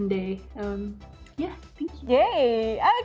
oke terima kasih